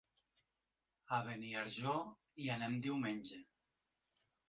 A Beniarjó hi anem diumenge.